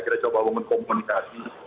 kita coba memkomunikasi